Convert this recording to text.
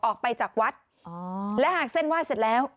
ออกไปจากวัดและหากเส้นไหว้เสร็จแล้ว